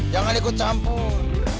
jangan ikut campur